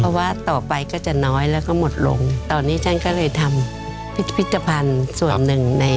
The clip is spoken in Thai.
เพราะว่าต่อไปก็จะน้อยแล้วก็หมดลงตอนนี้ฉันก็เลยทำพิพิธภัณฑ์ส่วนหนึ่งใน